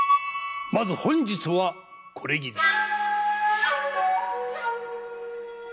まず本日はこれぎり。